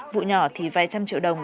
vụ nhỏ thì vài trăm triệu đồng